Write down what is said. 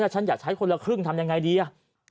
ฉันอยากใช้คนละครึ่งทำยังไงดี